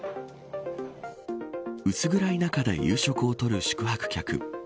薄暗い中で夕食をとる宿泊客。